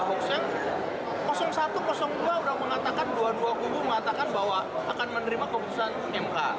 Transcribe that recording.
hoaks yang satu dua sudah mengatakan dua puluh dua gugup mengatakan bahwa akan menerima keputusan umk